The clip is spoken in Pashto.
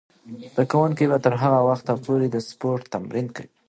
زده کوونکې به تر هغه وخته پورې د سپورت تمرین کوي.